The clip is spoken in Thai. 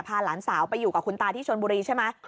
หลานสาวไปอยู่กับคุณตาที่ชนบุรีใช่ไหม